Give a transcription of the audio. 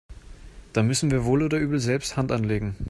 Da müssen wir wohl oder übel selbst Hand anlegen.